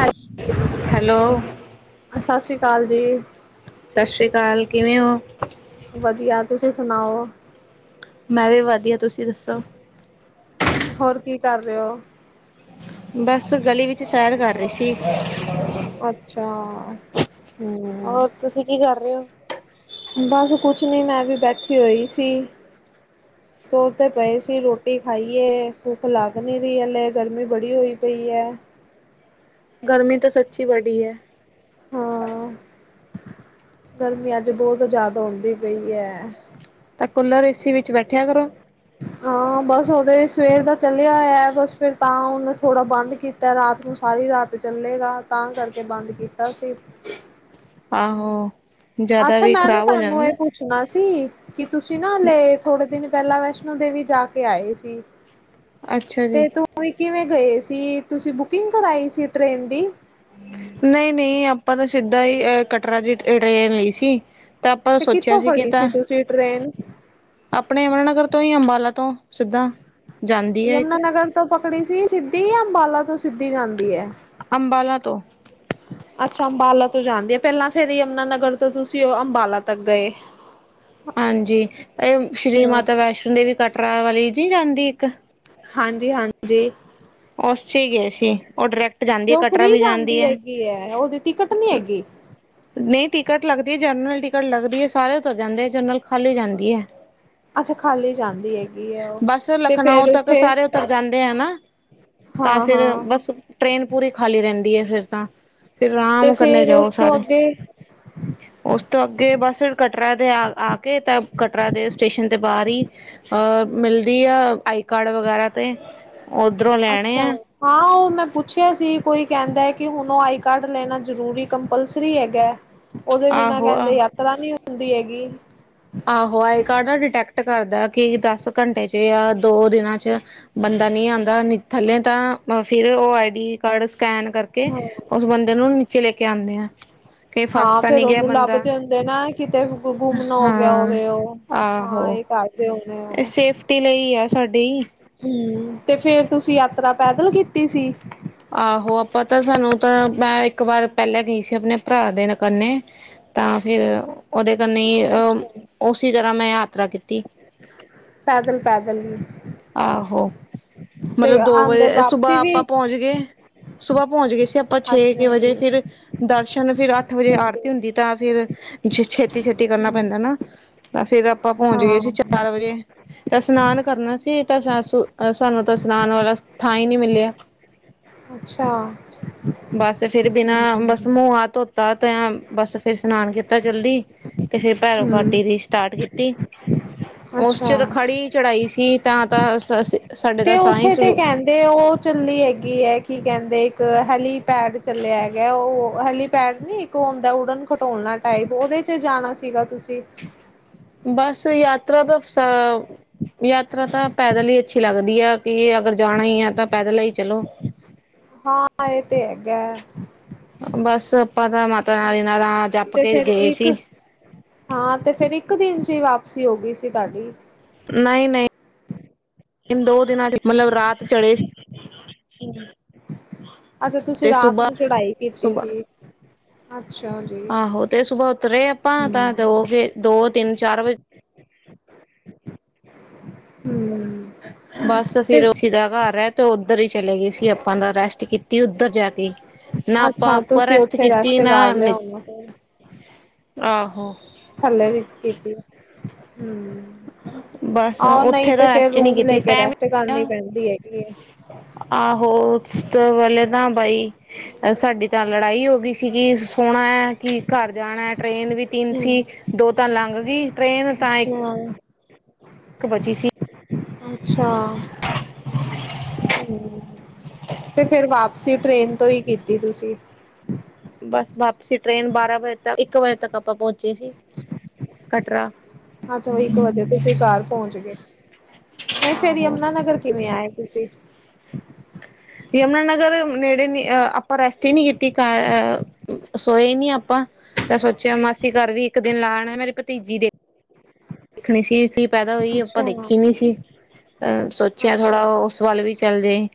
ਹਾਂ, ਹੈਲੋ ਸਾਸ ਸ੍ਰੀ ਕਾਲ ਜੀ। ਸ਼ਸ੍ਰੀ ਕਾਲ, ਕਿਵੇਂ ਓ? ਵਦੀਆ, ਤੁਸੀਂ ਸੁਣਾਓ? ਮੈਂ ਵੀ ਵਦੀਆ, ਤੁਸੀ ਦੱਸੋ? ਹੋਰ ਕੀ ਕਾਰ ਰੇ ਓ? ਬਸ ਗਲੀ ਵਿੱਚ ਸੈਰ ਕਾਰ ਰਈ ਸੀ। ਅੱਛਾ। ਤੁਸੀ ਕੀ ਕਾਰ ਰੇ ਓ? ਬਾਸ ਕੁਛ ਨੀ, ਮੈਂ ਵੀ ਬੈਠੀ ਹੋਈ ਸੀ। ਸੋਚਦੇ ਪਏ ਸੀ ਅੱਛਾ ਰੋਟੀ ਖਾਈਏ ਭੁੱਖ ਲੱਗ ਨੀ ਰਈ ਹਲੇ, ਗਰਮੀ ਬੜੀ ਹੋਈ ਪਈ ਐ। ਗਰਮੀ ਤੇ ਸੱਚੀ ਬੜੀ ਐ। ਹੰ, ਗਰਮੀ ਆੱਜ ਬੋਤ ਜੈਦਾ ਹੋਂਦੀ ਪਈ ਐ। ਤਾਂ ਕੂੱਲਰ ਏ ਸੀ ਵਿੱਚ ਬੈਠੇਆ ਕਰੋ। ਹਾਂ, ਬਸ ਓਦੇ ਵੀ ਸਵੇਰ ਦਾ ਚੱਲੇਆ ਹੋਯੈ, ਬਸ ਫੇਰ ਤਾਂ ਹੋਨ ਥੋੜਾ ਬਾੰਦ ਕੀਤ ਤੈ ਰਾਤ ਨੂੰ ਸਾਰੀ ਰਾਤ ਚੱਲੇਗਾ ਤਾਂ ਕਰਕੇ ਬਾੰਦ ਕੀਤਾ ਸੀ। ਆਹੋ, ਜੈਦਾ ਅੱਛਾ ਵੀ ਮੈਂ ਨਾ ਖ਼ਰਾਬ ਹੋ ਜਾਂਗੇ ਤੁਹਾਨੂੰ ਇਹ ਨਾ। ਪੁੱਛਣਾ ਸੀ, ਕਿ ਤੁਸੀਂ ਨਾ ਹੱਲੇ ਥੋੜੇ ਦਿਨ ਪੈਲਾਂ ਵੈਸ਼ ਨੋ ਦੇਵੀ ਜਾ ਕੇ ਆਏ ਸੀ, ਅੱਛਾ ਜੀ। ਤੇ ਤੂੰ ਓਈ ਕਿਵੇਂ ਗਏ ਸੀ, ਤੁਸੀ ਬੁਕਿੰਗ ਕਰਾਈ ਸੀ ਟ੍ਰੇਨ ਦੀ? ਨਈ-ਨਈ ਆਪਾਂ ਤਾਂ ਸਿੱਦਾ ਈ ਕਟਰਾ ਦੀ ਟ੍ਰੇਨ ਲਈ ਸੀ ਤਾਂ ਆਪਾਂ ਤੇ ਸੋਚੇਆ ਕਿੱਥੋਂ ਸੀ ਕੇ ਫੜੀ ਤਾਂ ਸੀ ਟ੍ਰੇਨ ਆਪਣੇ ਯਮਣਾ ਨਗਰ ਤੋਂ ਯਾ ਅੰਬਾਲਾ ਤੋਂ ਸਿੱਦਾ? ਯਮੁਨਾਨਗਰ ਤੋਂ ਪਕੜੀ ਸੀ ਸਿੱਦੀ ਯਾ ਅੰਬਾਲਾ ਤੋਂ ਸਿੱਦੀ ਜਾਂਦੀ ਐ? ਅੰਬਾਲਾ ਤੋ। [inaudible] ਅੱਛਾ ਅੰਬਾਲਾ ਤੋਂ ਜਾਂਦੀ ਏ, ਪੈਲਾਂ ਫਿਰ ਯਮਨਾ ਨਗਰ ਤੋਂ ਤੂਸੀ ਓ ਅੰਬਾਲਾ ਤੱਕ ਗਏ। ਹਾਂਜੀ ਐ ਸ਼੍ਰੀ ਹਾਂ ਮਾਤਾ ਵੈਸ਼ਨੋ ਦੇਵੀ ਕਟਰਾ ਵਾਲੀ ਨੀ ਜਾਂਦੀ ਏਕ ਹਾਂਜੀ-ਹਾਂਜੀ। ਉਸ ਚ ਹੀ ਗਏ ਸੀ ਉਹ ਡਾਇਰੈਕਟ ਜਾਂਦੀ ਤੇ ਹੈ ਓ ਕਟਰਾ ਫ੍ਰੀ ਵੀ ਜਾਂਦੀ ਹੈ ਹੈਗੀ ਐ, ਓਦੀ ਟਿਕਟ ਨੀ ਹੈਗੀ? ਨਈ ਟਿਕਟ ਲੱਗਦੀ ਏ, ਜਰਨਲ ਟਿਕਟ ਲੱਗਦੀ ਏ ਸਾਰੇ ਤੋ ਜਾਂਦੇ ਏ ਜਰਨਲ ਖਾਲੀ ਜਾਂਦੀ ਏ। ਅੱਛਾ ਖਾਲੀ ਜਾਂਦੀ ਹੈਗੀ ਹੈ ਉਹ ਬਾਸ ਓ ਤੇ ਲਖਨੌ ਫੇਰ ਤੱਕ ਉੱਥੇ ਸਾਰੇ ਉਤਰ ਜਾਂਦੇ ਆਨਾ ਤਾਂ ਫੇਰ, ਹਾਂ-ਹਾਂ ਬਸ ਟ੍ਰੇਨ ਪੂਰੀ ਖਾਲੀ ਰੈਂਦੀ ਏ ਫੇਰ ਤਾਂ। ਫਿਰ ਤੇ ਰਾਮ ਕਰਦੇ ਫੇਰ ਜਾਓ ਉਸ ਤੋਂ ਸਾਰੇ। ਅੱਗੇ ਓਸ ਤੋਂ ਅੱਗੇ ਬਸ ਕਟਰਾ ਦੇ ਆ, ਆ ਕੇ ਤਾਂ ਕਟਰਾ ਦੇ ਸਟੇਸ਼ਨ ਦੇ ਬਾਰ ਈ ਅ ਹੂੰ ਮਿਲਦੀ ਆਈ ਕਾਰਡ ਵਗੈਰਾ ਤੇ ਓਧਰੋਂ ਲੈਣੇ ਅੱਛਾ ਆ ਹਾਂ, ਉਹ ਮੈਂ ਪੁੱਛਿਆ ਸੀ ਕੋਈ ਕਹਿੰਦਾ ਕਿ ਹੁਣ ਉਹ ਆਈ ਕਾਰਡ ਲੈਣਾ ਜ਼ਰੂਰੀ ਕੰਪਲਸਰੀ ਹੈਗਾ ਉਹਦੇ ਬਿਨਾਂ ਆਹੋ ਆ ਕਹਿੰਦੇ ਯਾਤਰਾ ਨੀ ਹੁੰਦੀ ਹੈਗੀ ਆਹੋ ਆਈ ਕਾਰਡ ਡਿਟੈਕਟ ਕਰਦਾ ਕਿ ਦਸ ਘੰਟੇ ਚ ਜਾਂ ਦੋ ਦਿਨਾਂ ਚ ਬੰਦਾ ਨਹੀਂ ਆਂਦਾ ਥੱਲੇ ਤਾਂ ਫੇਰ ਉਹ ਆਈ ਡੀ ਕਾਰਡ ਸਕੈਨ ਕਰਕੇ ਹਾਂ ਉਸ ਬੰਦੇ ਨੂੰ ਨੀਚੇ ਲੈਕੇ ਆਣੇ ਆ ਕਿ ਫਸ ਹਾਂ ਤਾਂ ਫੇਰ ਨਹੀਂ ਗਿਆ ਉਹਨੂੰ ਲੱਭ ਬੰਦਾ ਦੇ ਹੁੰਦੇ ਨਾ ਕਿਤੇ ਘੁੰਮ ਨਾ ਹੋ ਗਿਆ ਹਾਂ ਹੋਵੇ ਉਹ ਹਾਂ ਆਹੋ ਇਹ ਕਰ ਸੇਫਟੀ ਲਈ ਆ ਸਾਡੀ ਹੂੰ, ਤੇ ਫੇਰ ਤੁਸੀਂ ਯਾਤਰਾ ਪੈਦਲ ਕੀਤੀ ਸੀ ਆਹੋ ਆਪਾਂ ਤਾਂ ਸਾਨੂੰ ਤਾਂ ਮੈਂ ਇੱਕ ਵਾਰ ਪਹਿਲਾਂ ਗਈ ਸੀ ਆਪਣੇ ਭਰਾ ਦੇ ਕੰਨੇ ਤਾਂ ਫਿਰ ਉਹਦੇ ਕੰਨੇ ਅਹ ਅੱਛਾ ਉਸੇ ਤਰ੍ਹਾਂ ਮੈਂ ਯਾਤਰਾ ਕੀਤੀ ਪੈਦਲ ਪੈਦਲ, ਆਹੋ ਮਤਲਬ ਦੋ ਆਂਦੇ ਵਜੇ ਵਾਪਸੀ ਸੁਬਾਹ ਵੀ ਆਪਾਂ ਪਹੁੰਚ ਗਏ ਸੁਬਾਹ ਪਹੁੰਚ ਗਏ ਸੀ ਆਪਾਂ ਛੇ ਅੱਛਾ ਕੇ ਵਜੇ ਜੀ ਫੇਰ ਦਰਸ਼ਨ ਫਿਰ ਅੱਠ ਵਜੇ ਹਾਂਜੀ ਆਰਤੀ ਹੁੰਦੀ ਤਾਂ ਫੇਰ ਛੇਤੀ ਛੇਤੀ ਕਰਨਾ ਹੂੰ ਪੈਂਦਾ ਨਾ ਫੇਰ ਆਪਾਂ ਪਹੁੰਚ ਗਏ ਹਾਂ ਸੀ ਚਾਰ ਵਜੇ ਤੇ ਇਸ਼ਨਾਨ ਕਰਨਾ ਸੀ ਤਾਂ ਸਾਨੂੰ ਤਾਂ ਇਸਨਾਨ ਵਾਲਾ ਥਾਂ ਹੀ ਨਹੀ ਮਿਲਿਆ ਅੱਛਾ ਬਸ ਫਿਰ ਬਿਨਾਂ ਬਸ ਮੂੰਹ ਹਥ ਧੋ ਤ ਤੇ ਬਸ ਫੇਰ ਸਸ਼ਨਾਨ ਕੀਤਾ ਚਲਦੀ ਤੇ ਫੇਰ ਭੈਰੋ ਹਮ ਘਾਟੀ ਦੀ ਸਟਾਰਟ ਕੀਤਾ ਉਸ ਅੱਛਾ ਚ ਤਾਂ ਖੜੀ ਚੜਾਈ ਸੀ ਤਾਂ ਤਾਂ ਤੇ ਤਾਂ ਸਾਹ ਹੀ ਉੱਥੇ ਤੇ ਸ਼ੁਰੂ ਕਹਿਣ ਤੇ ਉਹ ਚੱਲੀ ਹੈਗੀ ਐ ਕੀ ਕਹਿੰਦੇ ਇੱਕ ਹੈਲੀਪੈਡ ਚੱਲਿਆ ਹੈਗਾ ਉਹ ਹੈਲੀਪੈਡ ਨੀ ਇੱਕ ਇੱਕ ਹੁੰਦਾ ਉਡਨ ਖਲੋਣਾ ਟਾਈਪ ਉਹਦੇ ਚ ਜਾਣਾ ਸੀਗਾ ਤੁਸੀਂ ਬਸ ਯਾਤਰਾ ਦਾ ਯਾਤਰਾ ਤਾਂ ਪੈਦਲ ਹੀ ਅੱਛੀ ਲੱਗਦੀ ਐ ਕਿ ਅਗਰ ਜਾਣਾ ਹੀ ਹੈ ਤਾਂ ਪੈਦਲ ਹੀ ਚਲੋ ਹਾਂ ਇਹ ਤੇ ਹੈਗਾ ਬਸ ਆਪਾਂ ਤਾਂ ਮਾਤਾ ਰਾਣੀ ਦਾ ਨਾ ਜਪ ਤੇ ਕੇ ਫਿਰ ਗਏ ਇੱਕ ਸੀ ਹਾਂ, ਤੇ ਫੇਰ ਇੱਕ ਦਿਨ ਚ ਹੀ ਵਾਪਸੀ ਹੋ ਗਈ ਸੀ ਤੁਹਾਡੀ ਨਹੀਂ -ਨਹੀਂ ਦੋ ਦਿਨਾਂ ਚ ਮਤਲਬ ਰਾਤ ਚੜੇ ਸੀ ਹੂੰ ਅੱਛਾ ਤੁਸੀਂ ਤੇ ਰਾਤ ਸੁਬਾਹ ਨੂੰ ਚੜਾਈ ਕੀਤੀ ਸੀ ਸੁਬਾਹ ਅੱਛਾ ਜੀ ਆਹੋ ਤੇ ਸੁਬਾਹ ਉਤਰੇ ਆਪਾਂ ਤਾਂ ਦੋ ਕੇ ਦੋ ਤਿੰਨ ਚਾਰ ਵਜੇ ਹੂੰ, ਬਸ ਫਿਰ ਉਸੀ ਦਾ ਘਰ ਐ, ਤੇ ਉੱਧਰ ਹੀ ਚਲੇ ਗਏ ਸੀ ਆਪਾਂ ਦਾ ਰੈਸਟ ਕੀਤੀ ਉੱਧਰ ਜਾ ਕੇ। ਨਾ ਆਪਾਂ ਅੱਛਾ ਆਪਾਂ ਤੁਸੀਂ ਰੈਸਟ ਉੱਥੇ ਕੀਤੀ ਨਾ, ਕਰ ਲਿਆ ਹੋਣਾ ਫਿਰ ਆਹੋ। ਥੱਲੇ ਕੀਤੀ, ਹੂੰ। ਬਸ ਆਹੋ, ਨਹੀਂ ਉੱਥੇ ਤੇ ਤਾਂ ਫੇਰ ਰੈਸਟ ਨਹੀਂ ਰੂਮ ਲੈ ਕੀਤੀ ਕੇ ਟਾਈਮ ਰੈਸਟ ਕਰਨੀ ਪੈਂਦੀ ਹੈਗੀ ਐਂ। ਆਹੋ, ਉਸ ਤੇ ਵੇਲੇ ਤਾਂ ਬਾਈ ਅ ਸਾਡੀ ਤਾਂ ਲੜਾਈ ਹੋ ਗਈ, ਸੀਗੀ ਸੋਣਾ ਐ। ਕੀ ਘਰ ਜਾਣਾ ਟ੍ਰੇਨ ਵੀ ਤਿੰਨ ਸੀ, ਹਮ ਦੋ ਤਾਂ ਲੰਘ ਗਈ, ਟ੍ਰੇਨ ਤਾਂ ਅੱਛਾ ਇਕ ਬਚੀ ਸੀ। ਅੱਛਾ ਹੂੰ, ਤੇ ਫੇਰ ਵਾਪਸੀ ਟ੍ਰੇਨ ਤੋਂ ਹੀ ਕੀਤੀ ਤੁਸੀਂ। ਬਸ ਵਾਪਸੀ ਟ੍ਰੇਨ ਬਾਰਾਂ ਵਜੇ ਤੱਕ, ਇੱਕ ਵਜੇ ਤੱਕ ਆਪਾਂ ਪਹੁੰਚੇ ਸੀ, ਕਟ ਅੱਛਾ, ਬਾਈ ਇੱਕ ਵਜੇ ਤੁਸੀਂ ਘਰ ਪਹੁੰਚ ਗਏ। ਨਹੀਂ ਫੇਰ ਆਹੋ ਯਮੁਨਾ ਨਗਰ ਕਿਵੇਂ ਆਏ ਤੁਸੀਂ? ਯਮੁਨਾ ਨਗਰ ਨੇੜੇ ਨੀ, ਅ ਆਪਾਂ ਰੈਸਟ ਹੀ ਨੀ ਕੀਤੀ, ਕਾ ਅ ਸੋਏ ਨੀ ਆਪਾਂ, ਤੇ ਸੋਚਿਆ ਮਾਸੀ ਘਰ ਵੀ ਇੱਕ ਦਿਨ ਲਾ ਆਣਾ, ਮੇਰੀ ਭਤੀਜੀ ਦੇ ਖਣੀ ਸੀ ਕੀ ਪੈਦਾ ਹੋਈ, ਆਪਾਂ ਅੱਛਾ ਦੇਖੀ ਨੀ ਸੀ। ਸੋਚਿਆ ਥੋੜਾ, ਅੱਛਾ। ਉਸ ਵੱਲ ਵੀ ਚੱਲ ਜਈ।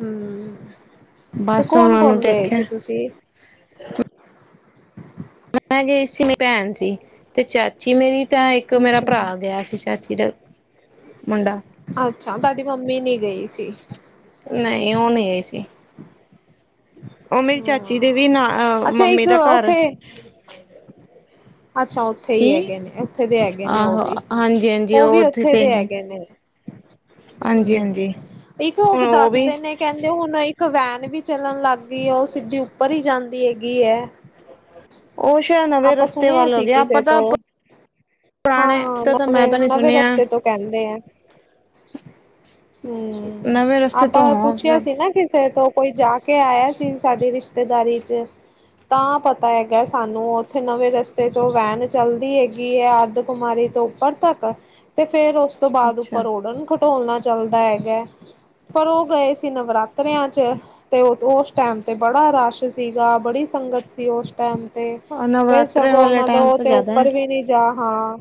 ਹਮ ਤੇ ਬਸ ਕੌਣ ਉਹਨਾਂ ਨੂੰ ਕੌਣ ਗਏ ਦੇਖਿਆ। ਸੀ ਤੁਸੀਂ? ਮੈਂ ਜੇ ਇਸ ਲਈ ਭੈਣ ਜੀ। ਤੇ ਚਾਚੀ ਮੇਰੀ, ਤਾਂ ਇੱਕ ਮੇਰਾ ਅੱਛਾ। ਭਰਾ ਗਿਆ ਸੀ, ਚਾਚੀ ਦਾ ਮੁੰਡਾ। ਅੱਛਾ, ਤੁਹਾਡੀ ਮੰਮੀ ਨੀ ਗਈ ਸੀ। ਨਹੀਂ, ਉਹ ਨਹੀਂ ਆਈ ਸੀ। ਉਹ ਮੇਰੀ ਚਾਚੀ ਦੇ ਹਾਂ ਵੀ ਨਾ, ਅੱਛਾ ਮੰਮੀ ਇੱਕ ਦਾ ਘਰ ਉੱਥੇ ਅੱਛਾ ਉੱਥੇ ਕੀ ਹੀ ਹੈਗੇ ਨੇ, ਉੱਥੇ ਦੇ ਹੈਗੇ ਨੇ ਉਹ ਆਹੋ ਵੀ, ਹਾਂਜੀ ਹਾਂਜੀ ਉਹ ਵੀ ਉੱਥੇ ਤੇ ਦੇ ਹੈਗੇ ਨੇ। ਹਾਂਜੀ ਹੂੰ, ਹਾਂਜੀ ਇੱਕ ਉਹ ਹੁਣ ਵੀ ਦੱਸਦੇ ਨੇ, ਕਹਿੰਦੇ ਹੁਣ ਇੱਕ ਵੈਨ ਵੀ ਚੱਲਣ ਲੱਗ ਵੀ ਉਹ ਸਿੱਧੀ ਉੱਪਰ ਹੀ ਜਾਂਦੀ ਹੈਗੀ ਐ। ਉਹ ਸ਼ਾਇਦ ਨਵੇਂ ਰਸਤੇ ਵੱਲ ਹੋਗੇ, ਆਪਾਂ ਕਿਸੇ ਤਾਂ ਤੋਂ ਪੁਰਾਣੇ ਹਾਂ, ਤਾਂ ਮੈਂ ਤਾਂ ਨਹੀਂ ਨਵੇਂ-ਨਵੇਂ ਸੁਣਿਆ ਰਸਤੇ ਤੋਂ ਕਹਿੰਦੇ ਐ। ਹੂੰ, ਨਵੇਂ ਰਸਤੇ ਤੋਂ ਆਪਾਂ ਹੋ ਪੁੱਛਿਆ ਸੀ। ਨਾ ਕਿਸੇ ਤੋਂ, ਕੋਈ ਜਾ ਕੇ ਆਇਆ ਸੀ, ਸਾਡੀ ਰਿਸ਼ਤੇਦਾਰੀ ਚ। ਤਾਂ ਪਤਾ ਹੈਗਾ, ਸਾਨੂੰ ਉੱਥੇ ਨਵੇਂ ਰਸ ਤੇ ਜੋ ਵੈਨ ਚਲਦੀ ਹੈਗੀ ਐ, ਅਰਧ ਕੁੁਮਾਰੀ ਤੋਂ ਉੱਪਰ ਤੱਕ, ਤੇ ਫੇਰ ਉਸ ਤੋਂ ਬਾਅਦ, ਅੱਛਾ ਉੱਪਰ ਉਡਨ ਖਟੋਲਣਾ ਚੱਲਦਾ ਹੈਗਾ। ਪਰ ਉਹ ਗਏ ਸੀ ਨਵਰਾਤਿਆਂ ਚ। ਤੇ ਉਸ ਟਾਈਮ ਤੇ ਬੜਾ ਰਸ਼ ਸੀਗਾ, ਬੜੀ ਸੰਗਤ ਸੀ ਉਸ ਟੈਮ ਤੇ। ਨਵਰਾ ਫਿਰ ਸਗੋਂ ਉਹਨਾਂ ਦਾ ਤੇ ਉੱਪਰ ਵੀ ਨੀ ਜਾ, ਹਾਂ।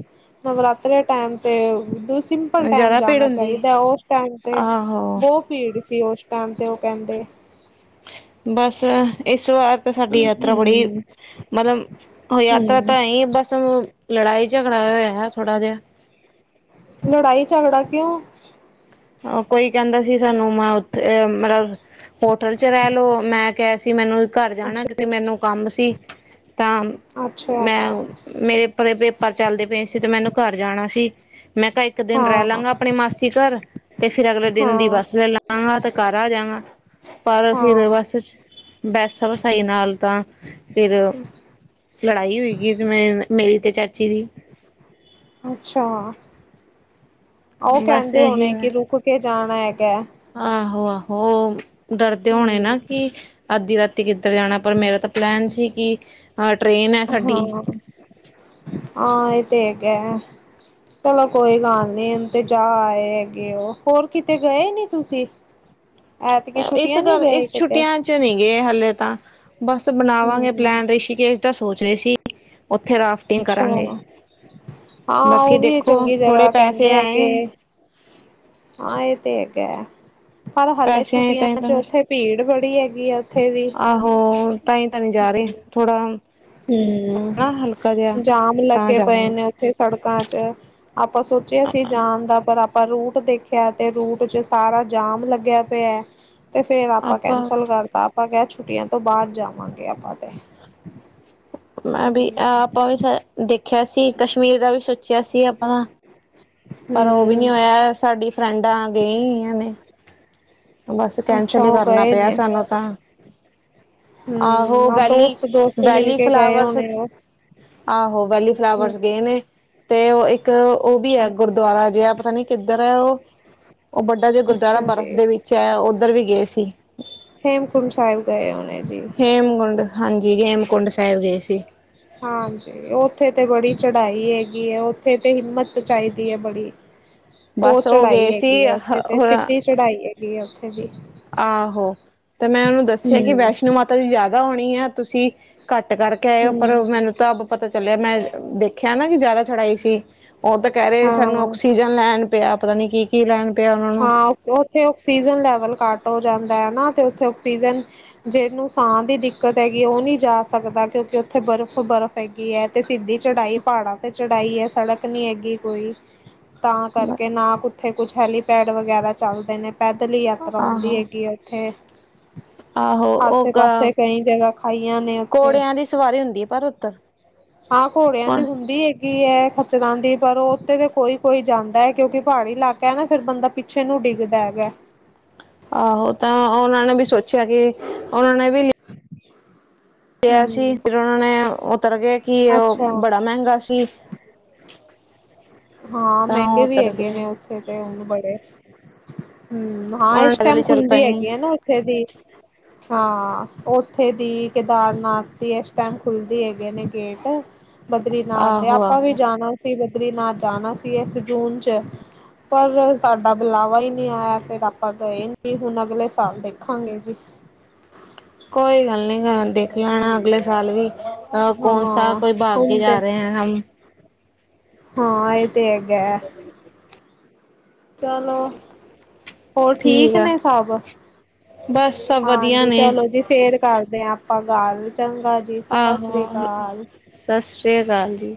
ਨਵਰਾਤਰਿਆਂ ਟੈਮ ਤੇ ਦ ਸਿੰਪਲ ਟੈਮ ਜ਼ਿਆਦਾ ਭੀੜ ਜਾਣਾ ਹੁੰਦੀ ਏ? ਚਾਹੀਦਾ, ਓਸ ਟੈਮ ਤੇ ਆਹੋ, ਬਹੁ ਭੀੜ ਸੀ, ਓਸ ਟੈਮ ਤੇ ਉਹ ਕਹਿੰਦੇ। ਬਸ, ਇਸ ਵਾਰ ਤਾਂ ਸਾਡੀ ਯਾਤਰਾ ਬੜੀ, ਹਮ ਮਤਲਬ ਯਾਤਰਾ ਤਾਂ ਐਂ ਈ ਬਸ ਲੜਾਈ ਝਗੜਾ ਹੋਇਆ ਥੋੜਾ ਜਿਹਾ। ਲੜਾਈ ਝਗੜਾ ਕਿਉਂ ਹਾਂ, ਕੋਈ ਕਹਿੰਦਾ ਸੀ ਸਾਨੂੰ, ਮੈਂ ਉੱਥੇ ਮਤਲਬ ਹੋਟਲ ਚ ਰਹਿ ਲੋ, ਮੈਂ ਕਿਹਾ ਸੀ ਮੈਨੂੰ ਘਰ ਜਾਣਾ, ਅੱਛਾ ਕਿਉਂਕਿ ਮੈਨੂੰ ਕੰਮ ਸੀ, ਤਾਂ ਅੱਛਾ ਮੈਂ ਮੇਰੇ ਪਰ ਪੇਪਰ ਚੱਲਦੇ ਪਏ ਸੀ, ਤੇ ਮੈਨੂੰ ਘਰ ਜਾਣਾ ਸੀ, ਮੈਂ ਕਿਹਾ ਇੱਕ ਦਿਨ ਰਹਿ ਹਾਂ ਲਾਂਗਾ, ਆਪਣੇ ਮਾਸੀ ਘਰ। ਤੇ ਫਿਰ ਅਗਲੇ ਦਿਨ ਦੀ ਹਾਂ ਬੱਸ ਲੈ ਲਾਂਗਾ, ਤੇ ਘਰ ਆ ਜਾਂਗਾ, ਪਰ ਫਿਰ ਹਾਂ ਬੱਸ ਚ ਬੈਸਾ ਵਸਾਈ ਨਾਲ ਤਾਂ ਫਿਰ ਲੜਾਈ ਹੋਏਗੀ, ਜਿਵੇਂ ਮੇਰੀ ਤੇ ਚਾਚੀ ਦੀ। ਅੱਛਾ, ਉਹ ਬਸ ਕਹਿੰਦੇ ਹੋਣੇ, ਕਿ ਰੁਕ ਕੇ ਜਾਣਾ ਹੈਗਾ। ਆਹੋ- ਆਹੋ ਡਰਦੇ ਹੋਣੇ ਨਾ ਹਮ ਕਿ ਅੱਧੀ ਰਾਤੀ ਕਿੱਧਰ ਜਾਣਾ, ਪਰ ਮੇਰਾ ਤਾਂ ਪਲੈਨ ਸੀ ਕਿ ਆਹ ਟ੍ਰੇ ਹਾਂ, ਹਾਂ ਇਹ ਤੇ ਹੈਗਾ। ਚਲੋਂ ਕੋਈ ਗੱਲ ਨੀ, ਹੁਣ ਤੇ ਜਾ ਆਏ ਹੈਗੇ ਉਹ, ਹੋਰ ਕਿਤੇ ਗਏ ਨੀ ਤੁਸੀਂ। ਐਤਕੀ ਇਸ ਛੁੱਟੀਆਂ ਨੀ ਗੱਲ ਗਏ ਇਸ ਕਿਤੇ। ਛੁੱਟੀਆਂ ਚ ਨੀ ਗਏ ਹਲੇ ਤਾਂ, ਬਸ ਬਣਾਵਾਂਗੇ ਹੂੰ ਪਲੈਨ, ਰਿਸ਼ੀਕੇਸ਼ ਦਾ ਸੋਚ ਰਹੇ ਸੀ। ਉੱਥੇ ਰਾਫਟਿੰਗ ਅੱਛਾ ਕਰਾਂਗੇ, ਹਾਂ ਬਾਕੀ ਉਹ ਵੀ ਦੇਖੋ, ਚੰਗੀ ਥੋੜ੍ਹੇ ਜਗ੍ਹਾ ਪੈਸੇ ਕਹਿੰਦੇ ਹੈਗੇ ਆਏ। ਹਾਂ ਇਹ ਤੇ ਹੈਗਾ ਐ, ਪਰ ਹਾਲੇ ਪੈਸੇ ਆਏ ਛੁੱਟੀਆਂ ਤਾਂ ਚ ਤਾਂ ਉੱਥੇ ਭੀੜ ਬੜੀ ਹੈਗੀ ਆ। ਉੱਥੇ ਵੀ ਆਹੋ ਤਾਂਹੀ ਤਾਂ ਨਹੀਂ ਜਾ ਰਹੇ, ਥੋੜਾ ਹੂੰ, ਨਾ ਹਲਕਾ ਜਿਹਾ ਜਾਮ ਤਾਂ ਲੱਗੇ ਪਏ ਜਾਵਾਂ ਨੇ ਉੱਥੇ ਸੜਕਾਂ ਚ। ਆਪਾਂ ਸੋਚਿਆ ਸੀ ਜਾਣ ਦਾ, ਪਰ ਆਪਾਂ ਰੂਟ ਦੇਖਿਆ, ਤੇ ਰੂਟ ਚ ਸਾਰਾ ਜਾਮ ਲੱਗਿਆ ਪਿਆ। ਤੇ ਫੇਰ ਆਪਾਂ ਕੈਂਸਲ ਕਰਤਾ, ਆਪਾਂ ਕਿਹਾ ਛੁੱਟੀਆਂ ਤੋਂ ਬਾਅਦ ਜਾਵਾਂਗੇ ਆਪਾਂ ਤੇ। ਮੈਂ ਵੀ ਹੂੰ ਆਪਾਂ ਵੀ ਦੇਖਿਆ ਸੀ, ਕਸ਼ਮੀਰ ਦਾ ਵੀ ਸੋਚਿਆ ਸੀ ਆਪਾਂ। ਪਰ ਉਹ ਵੀ ਨੀ ਹੂੰ ਹੋਇਆ, ਸਾਡੀ ਫਰੈਂਡਾਂ ਆ ਗਗਈ ਨੇ। ਬਸ ਅੱਛਾ ਕੈਂਸਲ ਹੀ ਉਹ ਕਰਨਾ ਗਏ ਪਿਆ ਨੇ ਸਾਨੂੰ ਤਾਂ। ਹੂੰ ਆਹੋ ਆ ਵੈਲੀ ਦੋਸਤ ਦੋਸਤ ਮਿਲ ਵੈਲੀ ਕੇ ਗਏ ਫਲਾਵਰਸ ਹੋਣੇ ਉਹ ਆਹੋ ਹੂੰ ਵੈਲੀਫਲਾਵਰਸ ਗਏ ਨੇ, ਤੇ ਉਹ ਇੱਕ ਉਹ ਵੀ ਐ ਅੱਛਾ ਗੁਰਦੁਆਰਾ ਜੇ ਆ, ਪਤਾ ਨੀ ਕਿੱਧਰ ਐ, ਉਹ ਵੱਡਾ ਜੇ ਗੁਰਦੁਆਰਾ ਅੱਛਾ ਬਰਫ਼ ਜੀ ਦੇ ਦੇ ਵਿੱਚ ਐ, ਉੱਧਰ ਵੀ ਗਏ ਸੀ। ਹੇਮਕੁੰਡ ਸਾਹਿਬ ਗਏ ਹੋਣੇ ਜੀ। ਹੇਮਕੁੰਡ ਹਾਂਜੀ ਹੇਮਕੁੰਡ ਸਾਹਿਬ ਗਏ ਸੀ। ਹਾਂਜੀ। ਉੱਥੇ ਤੇ ਬੜੀ ਚੜਾਈ ਹੈਗੀ ਐਂ, ਉੱਥੇ ਤੇ ਹਿੰਮਤ ਚਾਹੀਦੀ ਐ ਬੜੀ। ਬਹੁਤ ਬਸ ਉਹ ਚੜ੍ਹਾਈ ਗਏ ਸੀ ਹੈਗੀ ਆ ਉੱਥੇ ਤੇ, ਸਿੱਧੀ ਚੜ੍ਹਾਈ ਹੈਗੀ ਆ ਉੱਥੇ ਦੀ। ਆਹੋ ਤੇ ਮੈਂ ਉਹਨੂੰ ਦੱਸਿਆ, ਕਿ ਹੂੰ ਵੈਸ਼ਨੋ ਮਾਤਾ ਦੀ ਜ਼ਿਆਦਾ ਹੋਣੀ ਆ, ਤੁਸੀਂ ਘੱਟ ਕਰਕੇ ਆਏ ਉ, ਪਰ ਮੈਨੂੰ ਤਾਂ ਅਬ ਪਤਾ ਚੱਲਿਆ, ਮੈਂ ਦੇਖਿਆ ਨਾ ਕਿ ਜ਼ਿਆਦਾ ਛੜਾਈ ਸੀ। ਉਹ ਤਾਂ ਕਹਿ ਰਹੇ, ਸਾਨੂੰ ਹਾਂ। ਆਕਸੀਜਨ ਲੈਣ ਪਿਆ ਪਤਾ ਨੀ ਕੀ ਕੀ ਲੈਣ ਪਿਆ ਉਹਨਾਂ ਨੂੰ। ਆ ਕ ਥੇ ਆਕਸੀਜਨ ਲੈਵਲ ਘੱਟ ਹੋ ਜਾਂਦਾ ਐ ਨਾ, ਤੇ ਉੱਥੇ ਆਕਸੀਜਨ ਜਿਹਨੂੰ ਸਾਹ ਦੀ ਦਿੱਕਤ ਹੈਗੀ ਐਂ, ਉਹ ਨਹੀਂ ਜਾ ਸਕਦਾ ਕਿਉਂਕਿ ਉੱਥੇ ਬਰਫ਼ ਬਰਫ਼ ਹੈਗੀ ਐ, ਤੇ ਸਿੱਧੀ ਚੜਾਈ ਪਹਾੜਾਂ ਤੇ ਚੜਾਈ ਹੈ ਸੜ ਕ ਨੀ ਹੈਗੀ ਕੋਈ, ਤਾਂ ਕਰਕੇ ਨਾ ਉੱਥੇ ਕੁਛ ਹੈਲੀਪੈਡ ਵਗੈਰਾ ਚੱਲਦੇ ਨੇ। ਪੈਦਲ ਹੀ ਯਾਤਰਾ ਹੁੰਦੀ ਆਹੋ ਹੈਗੀ ਉੱਥੇ। ਆਹੋ ਆਸੇ ਉਹ ਪਾਸੇ ਕਈ ਜਗ੍ਹਾ ਖਾਈਆਂ ਨੇ ਉੱਥੇ। ਘੋੜਿਆਂ ਦੀ ਸਵਾਰੀ ਹੁੰਦੀ ਹੈ ਪਰ ਉੱਧਰ ਹਾਂ, ਘੋੜਿਆਂ ਦੀ ਹੁੰਦੀ ਹੈਗੀ ਐਂ, ਖ ਚਰਾ ਦੀ ਪਰ ਉਹ ਉੱਥੇ ਤਾਂ ਕੋਈ ਕੋਈ ਜਾਂਦਾ ਐ, ਕਿਉਂਕਿ ਪਹਾੜੀ ਇਲਾਕਾ ਐ ਨਾ ਫਿਰ ਬੰਦਾ ਪਿੱਛੇ ਨੂੰ ਡਿੱਗਦਾ ਹੈਗਾ। ਆਹੋ, ਤਾਂ ਉਹਨਾਂ ਨੇ ਵੀ ਸੋਚਿਆ ਕਿ ਉਹਨਾਂ ਨੇ ਵੀ ਲ ਆ ਸੀ, ਹੂੰ। ਫਿਰ ਉਹਨਾਂ ਨੇ ਉਤਰ ਕੇ ਕਿ ਉਹ ਅੱਛਾ ਬੜਾ ਮਹਿੰਗਾ ਸੀ। ਹਾਂ, ਤਾਂ ਉਹ ਮਹਿੰਗੇ ਵੀ ਉਤਰ ਹੈਗੇ ਗਏ ਨੇ ਉੱਥੇ ਤੇ ਹੁਣ ਬੜੇ ਹੂੰ। ਹਾਂ, ਉਹਨਾਂ ਨੇ ਇਸ ਪੈਦਲ ਟਾਈਮ ਹੀ ਚੱਲ ਖੁੱਲਦੀ ਪਏ ਹੈਗੀ ਆ ਨਾ ਉੱਥੇ ਦੀ ਹਾਂ ਓਥੇ ਦੀ ਕੇਦਾਰਨਾਥ ਦੀ, ਇਸ ਟਾਈਮ ਖੁੱਲਦੀ ਹੈਗੇ ਨੇ ਗੇਟ। ਬਦਰੀਨਾਥ ਦੇ ਆਹੋ ਆਪਾਂ ਵੀ ਆਹੋ ਜਾਣਾ ਸੀ, ਬਦਰੀਨਾਥ ਜਾਣਾ ਸੀ ਇਸ ਜੂਨ ਚ। ਪਰ ਸਾਡਾ ਬੁਲਾਵਾ ਹੀ ਨੀ ਆਇਆ, ਫਿਰ ਆਪਾਂ ਗਏ ਨੀ ਹੁਣ ਅਗਲੇ ਸਾਲ ਦੇਖਾਂਗੇ ਜੀ। ਕੋਈ ਗੱਲ ਨੀ ਗਾ, ਦੇਖ ਲੈਣਾ ਅਗਲੇ ਸਾਲ ਵੀ ਅ ਕੌਣਸਾ ਹਾਂ ਕੋਈ ਹੁਣ ਬਾਗਗੇ ਤੇ ਜਾ ਰਹੇ ਹੈ ਹਮ। ਹਾਂ, ਇਹ ਤੇ ਹੈਗਾ ਐ। ਚਲੋ ਹੋਰ ਠੀਕ ਨੇ ਸਭ ਬਸ ਸਭ ਵਧੀਆ ਹਾਂਜੀ ਨੇ ਚਲੋ ਜੀ ਫੇਰ ਕਰਦੇ ਹਾਂ ਆਪਾਂ ਗੱਲ ਚੰਗਾ ਜੀ ਸਤਿ ਆਹੋ ਸ੍ਰੀ ਅਕਾਲ ਸਤਿ ਸ਼੍ਰੀ ਅਕਾਲ ਜੀ